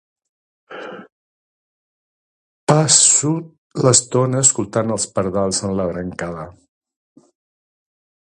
Passe l'estona escoltant els pardals en la brancada.